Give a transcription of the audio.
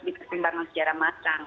dari pertimbangan sejarah masang